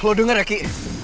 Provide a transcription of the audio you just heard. lu denger ya ki